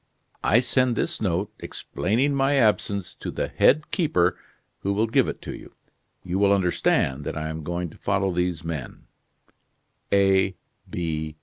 I send this note, explaining my absence, to the head keeper, who will give it you. You will understand that I am going to follow these men. A.